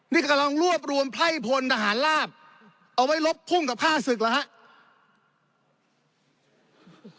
นี่กำลังรวบรวมไพร่พลทหารลาบเอาไว้ลบพุ่งกับฆ่าศึกเหรอครับ